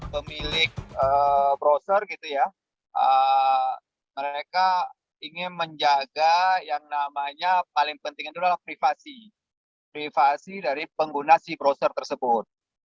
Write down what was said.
pemilik browser ingin menjaga privasi dari pengguna browser tersebut